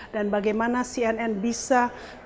dan bagaimana cnn bisa